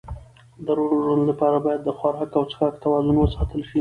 د روغ ژوند لپاره باید د خوراک او څښاک توازن وساتل شي.